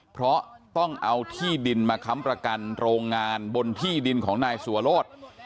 เพราะต้องเอาที่ดินมาค้ำประกันโรงงานบนที่ดินของนายสัวโรธ